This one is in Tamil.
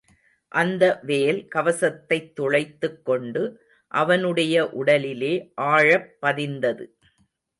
அந்த வேல், கவசத்தைத் துளைத்துக் கொண்டு அவனுடைய உடலிலே, ஆழப் பதிந்தது.